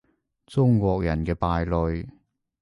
中國人嘅敗類